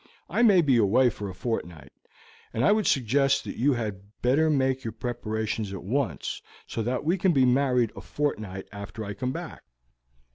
I may be away for a fortnight, and I would suggest that you had better make your preparations at once, so that we can be married a fortnight after I come back."